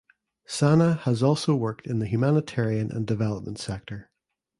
Sana has also worked in the humanitarian and development sector.